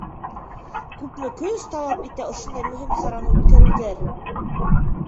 Күпме көс талап итә ошондай мөһим сараны үткәреүҙәр?